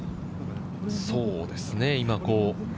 そうですね。